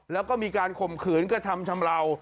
แล้วก็มีการข่มขืนกระทำชำราว